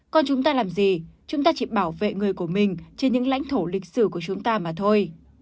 còn chúng ta làm gì chúng ta chỉ bảo vệ người của mình trên những lãnh thổ lịch sử của chúng ta mà thôi